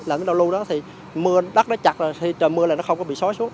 làm tới đâu lưu đó thì đất nó chặt rồi trời mưa là nó không có bị xói xuống